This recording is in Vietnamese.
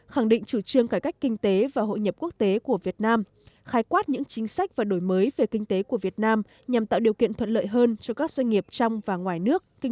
khẳng định chủ trương cải cách kinh tế và hội nhập quốc tế của việt nam khai quát những chính sách và đổi mới về kinh tế của việt nam nhằm tạo điều kiện thuận lợi hơn cho các doanh nghiệp trong và ngoài nước